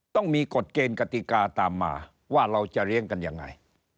ต้องมีกฎเกณฑ์กติกาตามมาว่าเราจะเลี้ยงกันยังไง